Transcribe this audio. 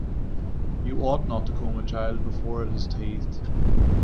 You ought not to comb a child before it has teethed.